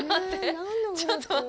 ちょっと待って。